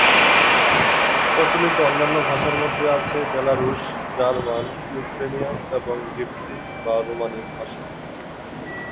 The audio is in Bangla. প্রচলিত অন্যান্য ভাষার মধ্যে আছে বেলারুশ, জার্মান, ইউক্রেনীয়, এবং জিপসি বা রোমানি ভাষা।